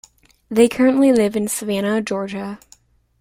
They currently live in Savannah, Georgia.